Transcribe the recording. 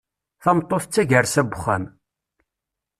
Tameṭṭut d tagersa n uxxam.